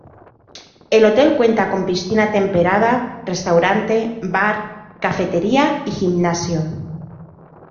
El hotel cuenta con piscina temperada, restaurante, bar, cafetería y gimnasio.